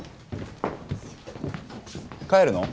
帰るの？